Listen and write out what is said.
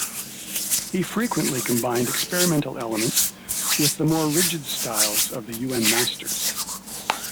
He frequently combined experimental elements with the more rigid styles of the Yuan masters.